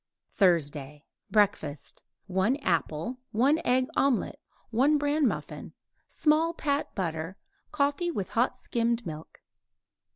THURSDAY BREAKFAST 1 apple; 1 egg omelet; 1 bran muffin; small pat butter; coffee with hot skimmed milk.